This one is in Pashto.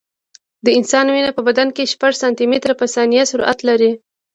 د انسان وینه په بدن کې شپږ سانتي متره په ثانیه سرعت لري.